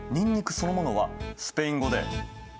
そのものはスペイン語で「アホ」。